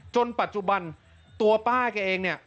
จนปัจจุบันตัวป้าแกเองเนี่ย